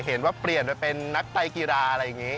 เห็นว่าเปลี่ยนไปเป็นนักไตกีฬาอะไรอย่างนี้